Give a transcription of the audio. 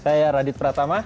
saya radit pratama